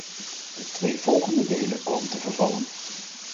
De twee volgende delen komen te vervallen.